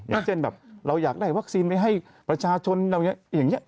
อย่างเช่นแบบเราอยากได้วัคซีนไปให้ประชาชนอะไรอย่างนี้